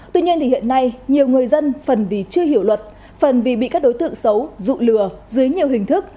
tuy nhiên hiện nay nhiều người dân phần vì chưa hiểu luật phần vì bị các đối tượng xấu dụ lừa dưới nhiều hình thức